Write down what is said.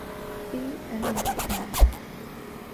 Be and let be